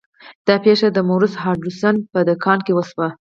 دا پیښه د مورس هډسن په دکان کې وشوه.